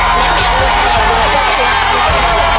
พี่พี่ของมาแล้วค่ะ